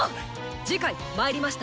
次回「魔入りました！